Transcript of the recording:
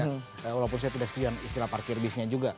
walaupun saya tidak sekian istilah parkir base nya juga